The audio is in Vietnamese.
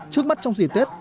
trước mắt trong dịp tết